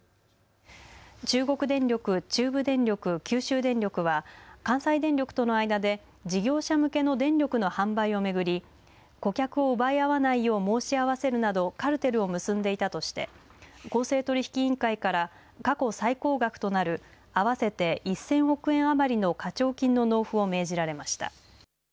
中国電力、中部電力、九州電力は関西電力との間で事業者向けの電力の販売を巡り顧客を奪い合わないよう申し合わせるなどカルテルを結んでいたとして公正取引委員会から過去最高額となる合わせて１０００億円余りの課徴金の納付を命じられました。